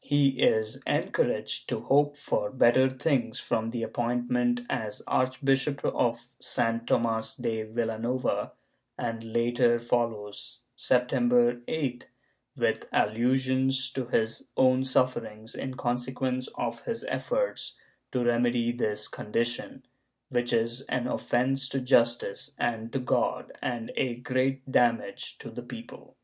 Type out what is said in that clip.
He is encouraged to hope for better things from the appointment as archbishop of San Tomas de Vilanova, and the latter follows, September 8th, with allusions to his own sufferings in consequence of his efforts to remedy this condition, which is an offence to justice and to God and a great damage to the people.